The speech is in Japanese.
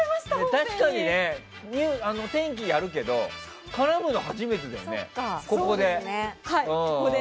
確かに、天気やるけど絡むの初めてだよね、ここで。